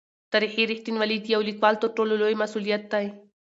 تاریخي رښتینولي د یو لیکوال تر ټولو لوی مسوولیت دی.